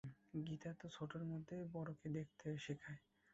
গীতা তো ছোটর মধ্যে বড়কে দেখতে শেখায়।